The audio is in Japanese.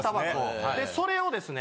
でそれをですね。